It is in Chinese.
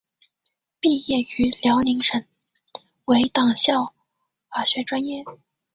毕业于辽宁省委党校法学专业。